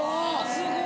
すごい。